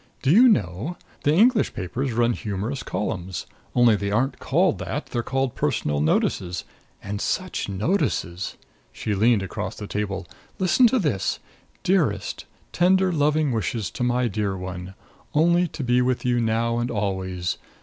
Do you know the English papers run humorous columns! Only they aren't called that. They're called Personal Notices. And such notices!" She leaned across the table. "Listen to this: 'Dearest: Tender loving wishes to my dear one. Only to be with you now and always.